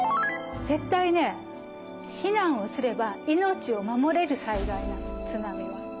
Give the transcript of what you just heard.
ぜっ対ね避難をすれば命を守れる災害なの津波は。